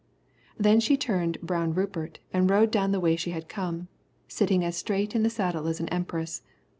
Then she turned Brown Rupert and rode down the way she had come, sitting as straight in the saddle as an empress.